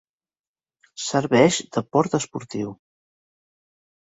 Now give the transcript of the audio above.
Serveix de port esportiu.